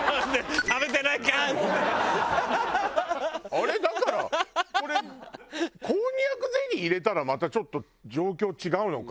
あれだからこれこんにゃくゼリー入れたらまたちょっと状況違うのか？